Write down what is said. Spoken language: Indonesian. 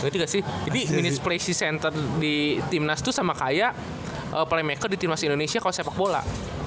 jadi menit s play center di timnas itu sama kayak playmaker di timnas indonesia kalau sepak bola